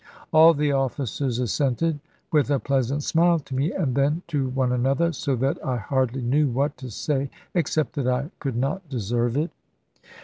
All the officers assented with a pleasant smile to me, and then to one another, so that I hardly knew what to say, except that I could not deserve it.